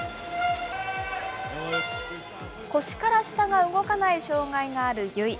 腰から下が動かない障害がある由井。